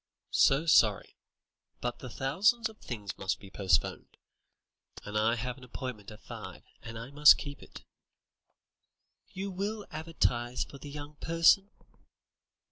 "So sorry, but the thousands of things must be postponed. I have an appointment at five, and I must keep it." "You will advertise for the 'young person'?"